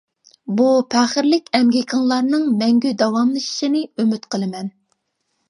بۇ پەخىرلىك ئەمگىكىڭلارنىڭ مەڭگۈ داۋاملىشىشىنى ئۈمىد قىلىمەن.